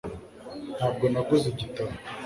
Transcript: ntabwo naguze igitabo